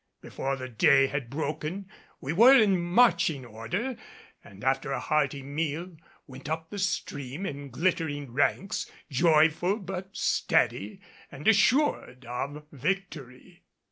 Before the day had broken we were in marching order and after a hearty meal went up the stream in glittering ranks, joyful but steady and assured of victory.